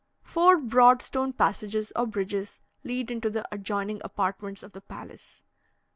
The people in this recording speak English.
Four broad stone passages or bridges lead into the adjoining apartments of the palace.